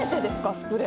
スプレー。